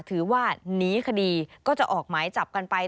ถือว่าหนีคดีก็จะออกหมายจับกันไป